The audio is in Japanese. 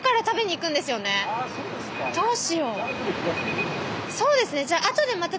どうしよう。